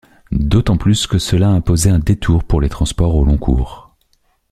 D'autant plus que cela imposait un détour pour les transports au long cours.